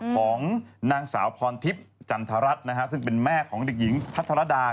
ของนางสาวพรทิพย์จันทรัฐนะฮะซึ่งเป็นแม่ของเด็กหญิงพัทรดา